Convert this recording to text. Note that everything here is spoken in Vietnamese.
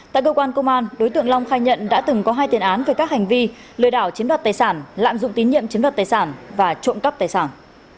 tại cơ quan công an đối tượng long khai nhận đã từng có hai tiền án về các hành vi lừa đảo chiếm đoạt tài sản lạm dụng tín nhiệm chiếm đoạt tài sản và trộm cắp tài sản